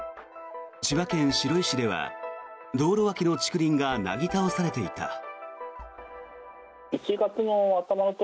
千葉県白井市では道路脇の竹林がなぎ倒されていた。